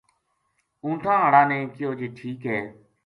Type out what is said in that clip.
اونٹھاں ہاڑا نے کہیو جی ٹھیک ہے